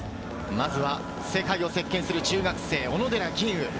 まずは世界を席巻する中学生・小野寺吟雲。